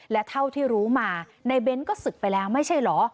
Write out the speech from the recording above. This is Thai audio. และเท่าที่รู้มาในเบ้นก็ศึกไปแล้วไม่ใช่เหรอ